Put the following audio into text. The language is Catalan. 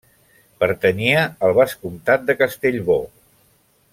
Pertanyia al vescomtat de Castellbò.